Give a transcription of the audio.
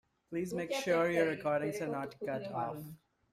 Please make sure your recordings are not cut off.